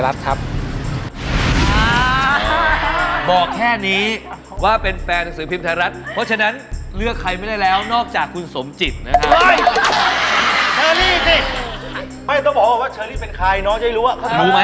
ไม่ต้องบอกว่าเชอรี่เป็นใครเนอะจะได้รู้ว่าเขาเป็นผู้ประกาศข่าว